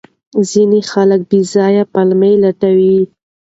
ځینې خلک بې ځایه پلمې لټوي.